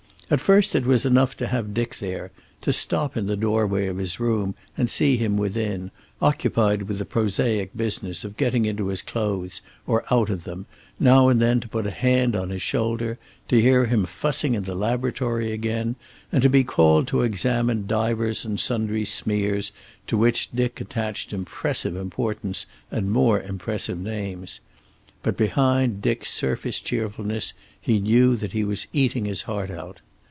At first it was enough to have Dick there, to stop in the doorway of his room and see him within, occupied with the prosaic business of getting into his clothes or out of them, now and then to put a hand on his shoulder, to hear him fussing in the laboratory again, and to be called to examine divers and sundry smears to which Dick attached impressive importance and more impressive names. But behind Dick's surface cheerfulness he knew that he was eating his heart out.